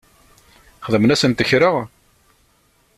Xedmen-asent kra?